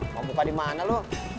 mau buka dimana lu